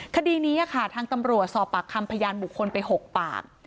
คดีนี้ค่ะทางตำรวจสอบปากคำพยานบุคคลไป๖ปาก